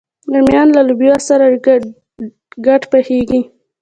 رومیان له لوبیا سره ګډ پخېږي